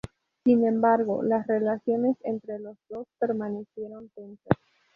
Sin embargo, las relaciones entre los dos permanecieron tensas.